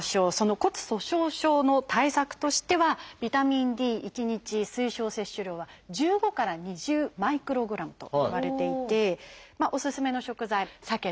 骨粗しょう症の対策としてはビタミンＤ１日推奨摂取量は１５から２０マイクログラムといわれていておすすめの食材さけとか